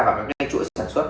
vào những chuỗi sản xuất